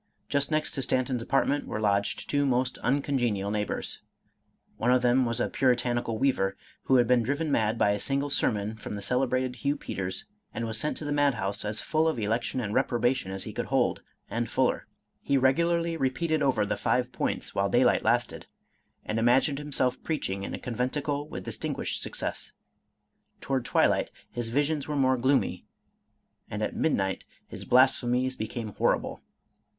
Just next to Stanton's apartment were lodged two most uncongenial neighbors. One of them was a puri tanical weaver, who had been driven mad by a single ser mon from the celebrated Hugh Peters, and was sent to the madhouse as full of election and reprobation as he could hold, — and fuller. He regularly repeated over the five points while daylight lasted, and imagined himself preaching in a conventicle with distinguished success ; toward twilight his visions were more gloomy, and at midnight his blasphemies became horrible.